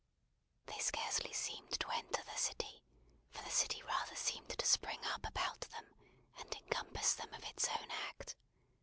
They scarcely seemed to enter the city; for the city rather seemed to spring up about them, and encompass them of its own act.